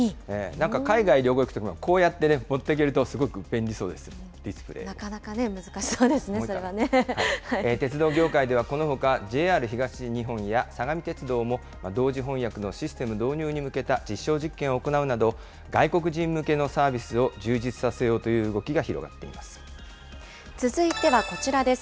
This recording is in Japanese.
なんか海外旅行に行くときも、こうやってね、持ってけるとすごなかなか難しそうですね、そ鉄道業界では、このほかＪＲ東日本や、相模鉄道も同時翻訳のシステム導入に向けた実証実験を行うなど、外国人向けのサービスを充実させようという動きが広が続いてはこちらです。